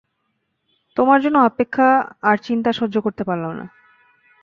তোমার জন্য অপেক্ষা আর চিন্তা সহ্য করতে পারলাম না।